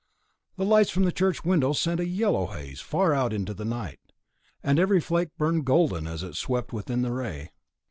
The lights from the church windows sent a yellow haze far out into the night, and every flake burned golden as it swept within the ray.